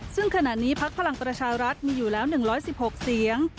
ซึ่งขณะนี้พักพลังประชารัฐมีอยู่แล้ว๑๑๖เสียง